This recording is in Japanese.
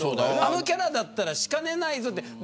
あのキャラだったらしかねないぞって